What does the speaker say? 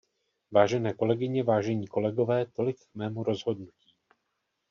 Vážené kolegyně, vážení kolegové, tolik k mému rozhodnutí.